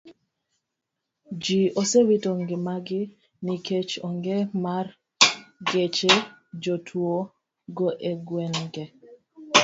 Ji osewito ngimagi nikech onge mar geche jotuo go e gwenge.